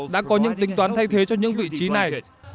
đã có những tính toán thay thế cho những vị trí này